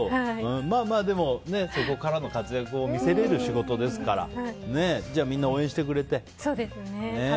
でも、そこからの活躍を見せられる仕事ですからみんな応援してくれて。